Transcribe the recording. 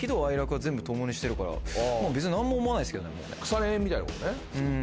腐れ縁みたいなことね。